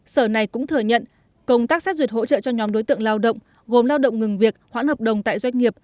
sở này cũng thừa nhận công tác xét duyệt hỗ trợ cho nhóm đối tượng lao động gồm lao động ngừng việc hoãn hợp đồng tại doanh nghiệp